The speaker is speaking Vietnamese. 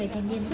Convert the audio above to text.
trong khi đó